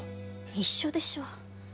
一緒でしょ。